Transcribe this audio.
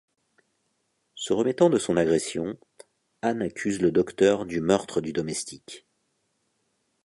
Se remettant de son agression, Ann accuse le Docteur du meurtre du domestique.